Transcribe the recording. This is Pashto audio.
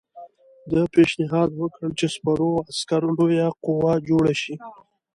ده پېشنهاد وکړ چې سپرو عسکرو لویه قوه جوړه شي.